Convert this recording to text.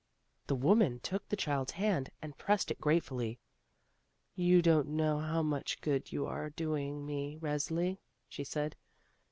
The woman took the child's hand, and pressed it gratefully. "You don't know how much good you are doing me, Resli," she said.